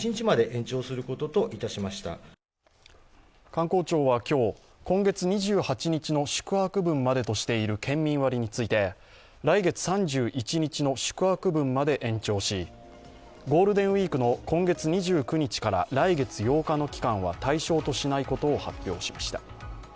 観光庁は今日、今月２８日の宿泊分までとしている県民割について、来月３１日の宿泊分まで延長し、ゴールデンウイークの今月２９日から来月８日の期間は対象としないことを発表しました。